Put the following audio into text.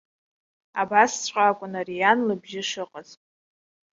Абасҵәҟьа акәын ари иан лыбжьы шыҟаз.